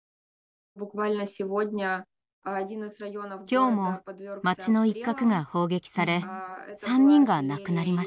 今日も町の一角が砲撃され３人が亡くなりました。